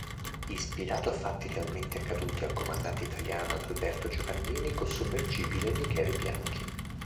Ispirato a fatti realmente accaduti al comandante italiano Adalberto Giovannini col sommergibile "Michele Bianchi.